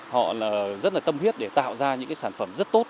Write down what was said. họ rất là tâm huyết để tạo ra những cái sản phẩm rất tốt